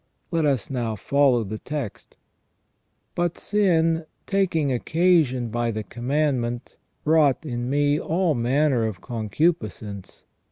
Let us now follow the text. " But sin, taking occasion by the commandment, wrought in me all manner of concupiscence.